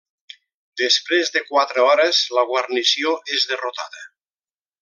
Després de quatre hores, la guarnició és derrotada.